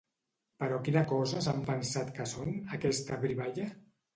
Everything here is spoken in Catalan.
Però quina cosa s'han pensat que són, aquesta brivalla?